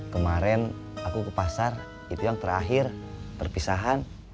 kemarin aku ke pasar itu yang terakhir perpisahan